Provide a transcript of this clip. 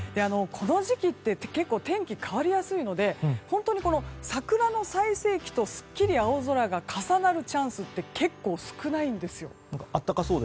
この時期というと結構、天気は変わりやすいので本当に桜の最盛期と、すっきり青空が重なるチャンスって結構少ないんですよ。